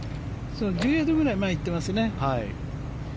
１０ヤードぐらい前に行ってますね。